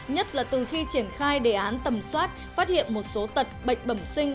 nhất là từ khi triển khai đề án tầm soát phát hiện một số tật bệnh bẩm sinh